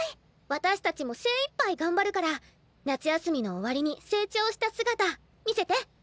私たちも精いっぱい頑張るから夏休みの終わりに成長した姿見せて。